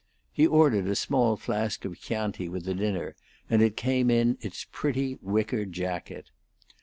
He ordered a small flask of Chianti with the dinner, and it came in its pretty wicker jacket.